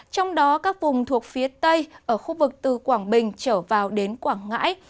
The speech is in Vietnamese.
trong đó các vùng thuộc phía tây ở khu vực từ quảng bình trở vào đến quảng ngãi